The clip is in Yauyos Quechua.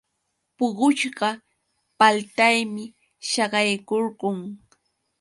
Puqushqa paltaymi saqaykurqun.